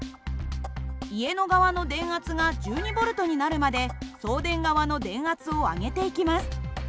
家の側の電圧が１２Ｖになるまで送電側の電圧を上げていきます。